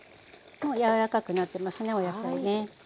もう柔らかくなってますねお野菜ね。